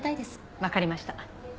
わかりました。